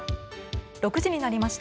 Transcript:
６時になりました。